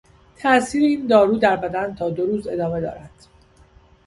تاثیر این دارو در بدن تا دو روز ادامه دارد.